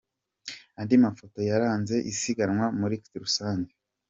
Andi mafoto yaranze isiganwa muri rusange.